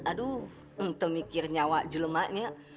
aduh temikir nyawa jelemaknya